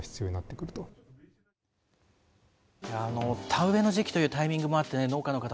田植えの時期というタイミングもあって、農家の方、